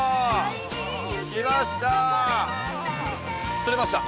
釣れました！